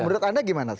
menurut anda gimana